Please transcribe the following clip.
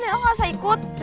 udah neloh gak usah ikut